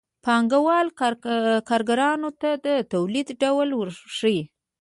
پانګوال کارګرانو ته د تولید ډول ورښيي